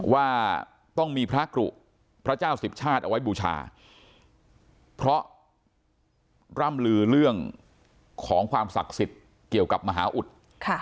ว่าต้องมีพระกรุพระเจ้าสิบชาติเอาไว้บูชาเพราะร่ำลือเรื่องของความศักดิ์สิทธิ์เกี่ยวกับมหาอุทธิ์